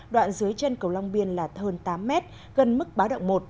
đoạn dưới chân cầu long biên là hơn tám mét gần mức báo động một